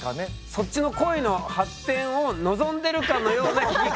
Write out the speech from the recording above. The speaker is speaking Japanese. そっちの恋の発展を望んでるかのような聞き方。